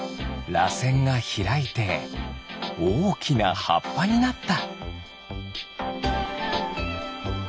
らせんがひらいておおきなはっぱになった。